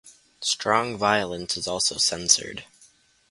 Strong violence is also censored.